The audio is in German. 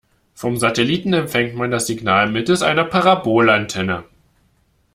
Vom Satelliten empfängt man das Signal mittels einer Parabolantenne.